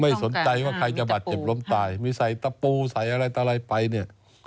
ไม่สนใจว่าใครจะบาดเจ็บล้มตายมีใส่ตะปูใส่อะไรต่ออะไรไปเนี่ย